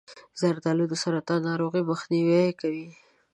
زردآلو د سرطاني ناروغیو مخنیوی کوي.